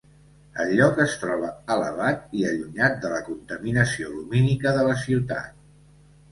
El lloc es troba elevat i allunyat de la contaminació lumínica de la ciutat.